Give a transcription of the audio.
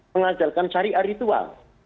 mengajarkan syariah ritual